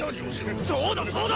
そうだそうだ！